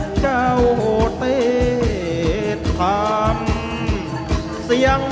กลับไปที่นี่